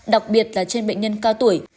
đặc biệt là trên bệnh nhân cao tuổi